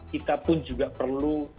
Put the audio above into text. kita pun juga perlu